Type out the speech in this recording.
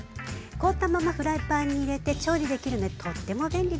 凍ったままフライパンに入れて調理できるのでとっても便利です。